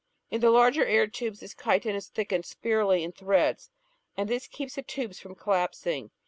In the larger air tubes this chitin is thickened spirally in threads, and this keeps the tubes from collapsing.